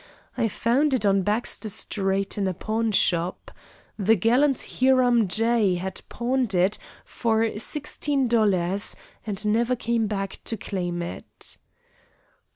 I found it on Baxter Street in a pawnshop. The gallant Hiram J. had pawned it for sixteen dollars and never came back to claim it."